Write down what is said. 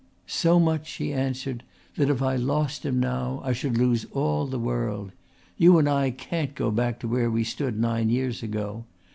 "So much," she answered, "that if I lost him now I should lose all the world. You and I can't go back to where we stood nine years ago.